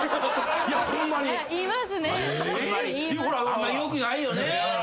あんまよくないよね。